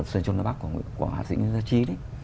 sơn châu nói bắc của hà sĩ nguyên gia trí